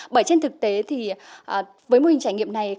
bởi trên thực tế thì với mô hình trải nghiệm này